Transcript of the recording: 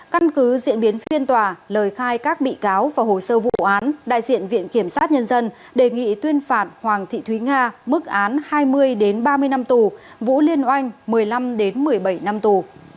căn cứ diễn biến phiên tòa lời khai các bị cáo và hồ sơ vụ án đại diện viện kiểm sát nhân dân đề nghị tuyên phạt hoàng thị thúy nga mức án hai mươi ba mươi năm tù vũ liên oanh một mươi năm một mươi bảy năm tù